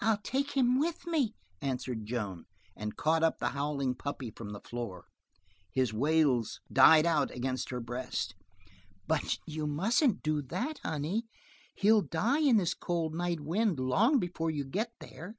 "I'll take him with me," answered Joan, and caught up the howling puppy from the floor. His wails died out against her breast. "But you mustn't do that, honey. He'd die in this cold night wind long before you got there."